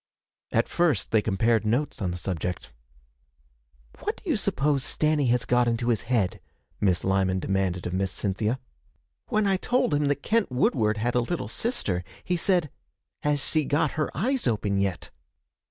At first they compared notes on the subject. 'What do you suppose Stanny has got into his head?' Miss Lyman demanded of Miss Cynthia. 'When I told him that Kent Woodward had a little sister, he said, "Has s'e got her eyes open yet?"